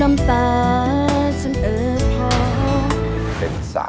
น้ำตาฉันเออพอ